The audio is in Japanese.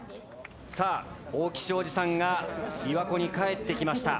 さあ大木祥資さんが琵琶湖に帰ってきました。